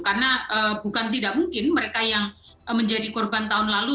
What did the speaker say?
karena bukan tidak mungkin mereka yang menjadi korban tahun lalu